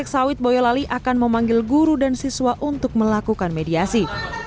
sawit boyolali akan memanggil guru dan siswa untuk melakukan mediasi